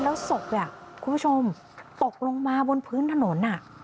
แล้วศพเนี่ยคุณผู้ชมตกลงมาบนพื้นถนน